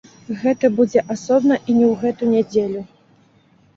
Гэта будзе асобна і не ў гэту нядзелю.